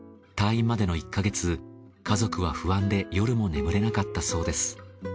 退院までの１か月家族は不安で夜も眠れなかったそうです。